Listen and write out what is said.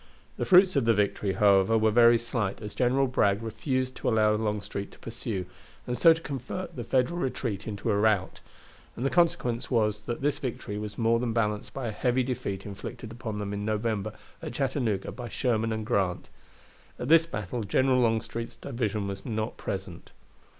The fruits of the victory, however, were very slight, as General Bragg refused to allow Longstreet to pursue, and so to convert the Federal retreat into a rout, and the consequence was that this victory was more than balanced by a heavy defeat inflicted upon them in November at Chattanooga by Sherman and Grant. At this battle General Longstreet's division was not present.